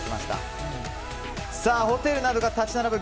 ホテルなどが立ち並ぶ